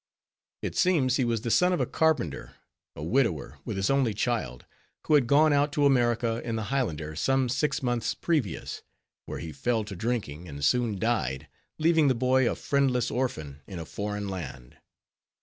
It seems he was the son of a carpenter, a widower, with this only child, who had gone out to America in the Highlander some six months previous, where he fell to drinking, and soon died, leaving the boy a friendless orphan in a foreign land.